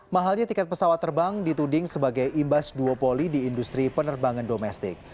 mahalnya tiket pesawat terbang dituding sebagai imbas duopoli di industri penerbangan domestik